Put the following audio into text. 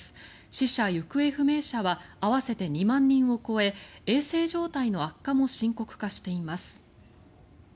死者・行方不明者は合わせて２万人を超え衛生状態の悪化も深刻化しています。